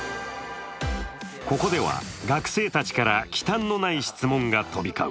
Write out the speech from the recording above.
ここでは学生たちから忌憚のない質問が飛び交う。